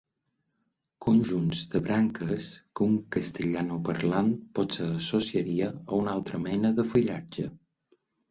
Conjunts de branques que un castellanoparlant potser associaria a una altra mena de fullatge.